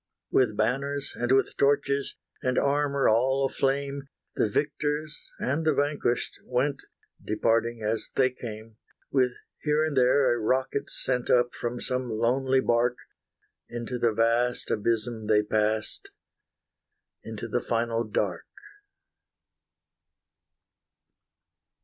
With banners and with torches, And armour all aflame, The victors and the vanquished went, Departing as they came; With here and there a rocket sent Up from some lonely barque: Into the vast abysm they passed, Into the final dark.